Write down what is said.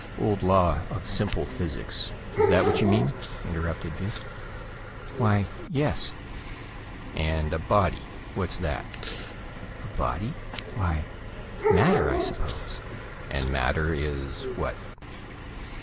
Old law of simple physics. Is that what you mean?" interrupted Vic. "Why, yes." "And a body; what's that?" "A body? Why, matter, I suppose." "And matter is what?"